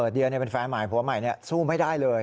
เดียเป็นแฟนใหม่ผัวใหม่สู้ไม่ได้เลย